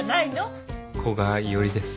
古賀一織です。